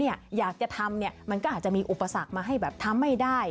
อยากจะทำมันก็อาจจะมีอุปสรรคมาให้แบบทำไม่ได้